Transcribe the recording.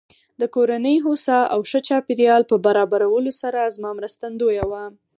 د کورنۍ هوسا او ښه چاپېريال په برابرولو سره زما مرستندويه وه.